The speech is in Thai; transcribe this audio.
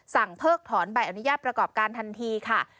เพิกถอนใบอนุญาตประกอบการทันทีค่ะ